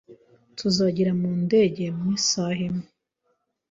Tuzagera mu ndege mu isaha imwe.